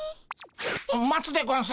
待つでゴンス。